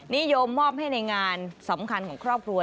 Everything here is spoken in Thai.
นิยมมอบให้ในงานสำคัญของครอบครัว